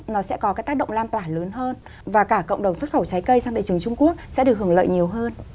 nó sẽ có cái tác động lan tỏa lớn hơn và cả cộng đồng xuất khẩu trái cây sang thị trường trung quốc sẽ được hưởng lợi nhiều hơn